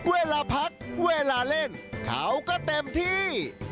เวลาพักเวลาเล่นเขาก็เต็มที่